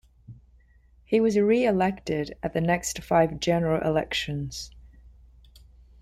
He was re-elected at the next five general elections.